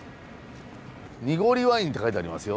「にごりワイン」って書いてありますよ。